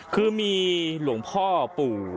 คือมีหลวงพ่อปู่